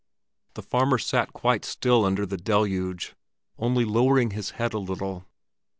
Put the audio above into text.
The farmer sat quite still under the deluge, only lowering his head a little.